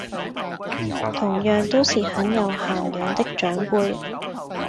同樣都是很有涵養的長輩